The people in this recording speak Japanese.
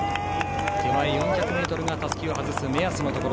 手前、４００ｍがたすきを外す目安のところ。